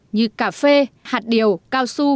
như cà phê hạt điều cao su